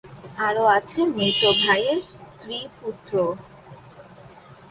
আরো আছে মৃত ভাইয়ের স্ত্রী-পুত্র।